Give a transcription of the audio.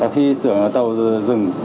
khi xưởng tàu dừng